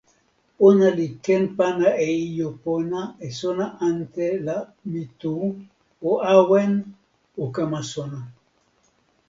ona li ken pana e ijo pona e sona ante la mi tu o awen, o kama sona.